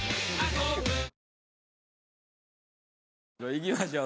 いきましょう。